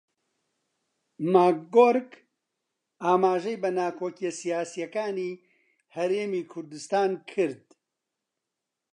ماکگۆرک ئاماژەی بە ناکۆکییە سیاسییەکانی هەرێمی کوردستان کرد